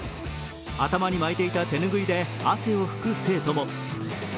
頭に巻いていた手ぬぐいで汗を拭く生徒も。